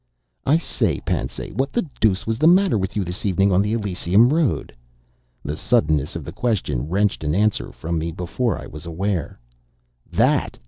"I say, Pansay, what the deuce was the matter with you this evening on the Elysium road?" The suddenness of the question wrenched an answer from me before I was aware. "That!"